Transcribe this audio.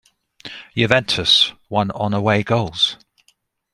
Juventus won on away goals.